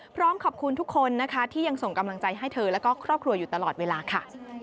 พร้อมขอบคุณทุกคนนะคะที่ยังส่งกำลังใจให้เธอแล้วก็ครอบครัวอยู่ตลอดเวลาค่ะ